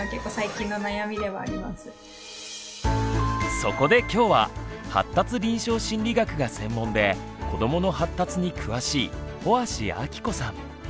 そこで今日は発達臨床心理学が専門で子どもの発達に詳しい帆足暁子さん